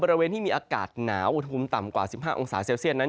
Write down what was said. บริเวณที่มีอากาศหนาวอุณหภูมิต่ำกว่า๑๕องศาเซลเซียตนั้น